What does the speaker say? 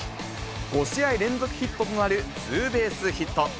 ５試合連続ヒットとなるツーベースヒット。